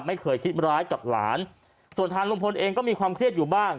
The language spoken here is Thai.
ไม่เคยคิดร้ายกับหลานส่วนทางลุงพลเองก็มีความเครียดอยู่บ้าง